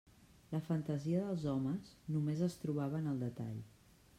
La fantasia dels homes només es trobava en el detall.